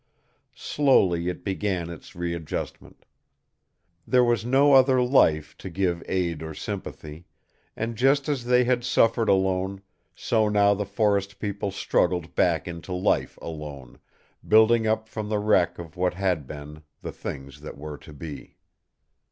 Slowly it began its readjustment. There was no other life to give aid or sympathy; and just as they had suffered alone, so now the forest people struggled back into life alone, building up from the wreck of what had been, the things that were to be.